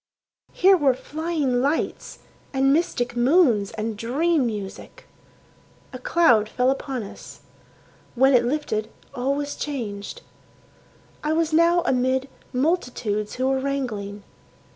Here were flying lights, and mystic moons, and dream music. A cloud fell upon us. When it lifted all was changed. I was now amid multitudes who were wrangling.